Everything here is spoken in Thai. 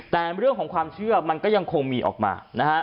แต่เรื่องของความเชื่อมันก็ยังคงมีออกมานะฮะ